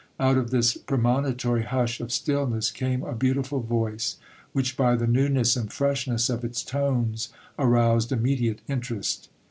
Out of this premonitory hush of stillness came a beautiful voice, which by the newness and freshness of its tones aroused immediate interest.